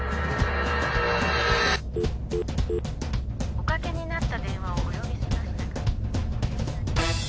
おかけになった電話をお呼びしましたが。